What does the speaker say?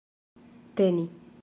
teni